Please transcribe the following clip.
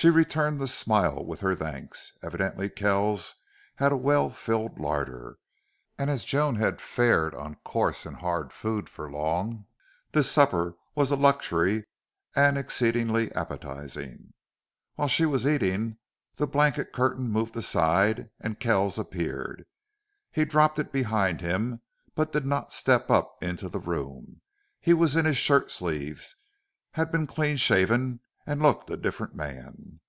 She returned the smile with her thanks. Evidently Kells had a well filled larder, and as Joan had fared on coarse and hard food for long, this supper was a luxury and exceedingly appetizing. While she was eating, the blanket curtain moved aside and Kells appeared. He dropped it behind him, but did not step up into the room. He was in his shirt sleeves, had been clean shaven, and looked a different man.